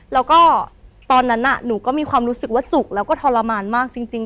แล้วก็ตอนนั้นหนูก็มีความรู้สึกว่าจุกแล้วก็ทรมานมากจริง